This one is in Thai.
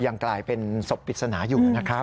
ยังกลายเป็นศพปริศนาอยู่นะครับ